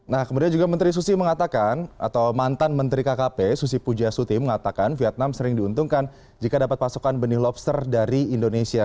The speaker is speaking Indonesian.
nah kemudian juga menteri susi mengatakan atau mantan menteri kkp susi pujasuti mengatakan vietnam sering diuntungkan jika dapat pasokan benih lobster dari indonesia